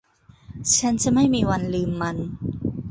ฉันจะไม่มีวันลืมมัน